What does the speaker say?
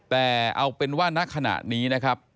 แต่เอาเป็นว่าณขณะนี้นะครับ